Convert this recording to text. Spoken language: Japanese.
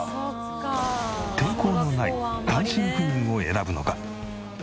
転校のない単身赴任を選ぶのか？